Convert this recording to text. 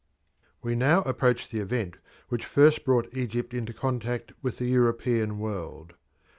We now approach the event which first brought Egypt into contact with the European world.